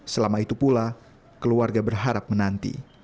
selama itu pula keluarga berharap menanti